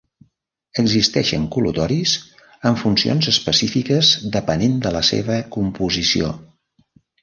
Existeixen col·lutoris amb funcions específiques depenent de la seva composició.